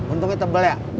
untungnya tebel ya